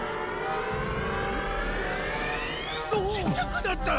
ちっちゃくなった！？